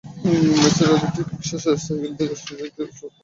ম্যাচের ঠিক শেষের দিকে স্ট্যান্ড থেকে কিছু একটা ছুড়ে মারা হলো মাঠে।